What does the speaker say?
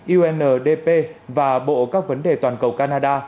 undp và bộ các vấn đề toàn cầu canada